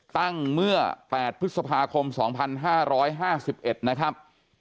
ตั้งแต่เมื่อ๘พฤษภาคม๒๕๕๑นะครับ